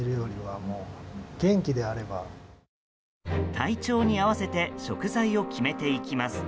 体調に合わせて食材を決めていきます。